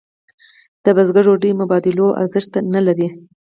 د بزګر ډوډۍ مبادلوي ارزښت نه لري.